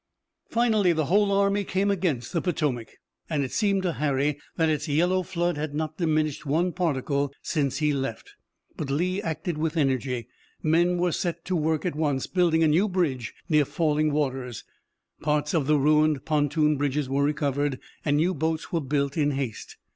Finally the whole army came against the Potomac and it seemed to Harry that its yellow flood had not diminished one particle since he left. But Lee acted with energy. Men were set to work at once building a new bridge near Falling Waters, parts of the ruined pontoon bridges were recovered, and new boats were built in haste.